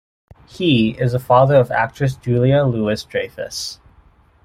He is the father of actress Julia Louis-Dreyfus.